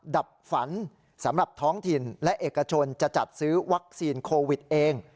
ดับฝันสำหรับท้องถิ่นและเอกชนจะจัดซื้อวัคซีนโควิดเอง